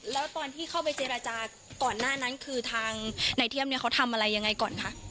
แล้วตอนที่เข้าไปเจรจาก่อนหน้านั้นคือทางนายเทียมเนี่ยเขาทำอะไรยังไงก่อนคะ